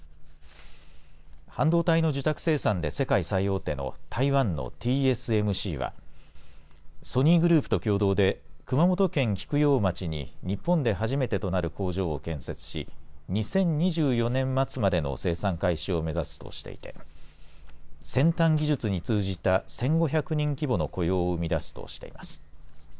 半導体の受託生産で世界最大手の台湾のＴＳＭＣは、ソニーグループと共同で、熊本県菊陽町に日本で初めてとなる工場を建設し、２０２４年末までの生産開始を目指すとしていて、先端技術に通じた１５００人規模の雇用を生み出すとしています。